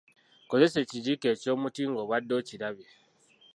Kozesa ekijiiko eky'omuti ng'obadde okirabye.